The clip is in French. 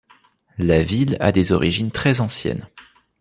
La ville a des origines très anciennes.